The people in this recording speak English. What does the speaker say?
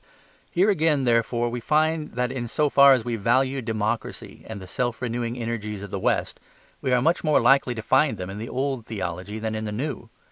Here again, therefore, we find that in so far as we value democracy and the self renewing energies of the west, we are much more likely to find them in the old theology than the new.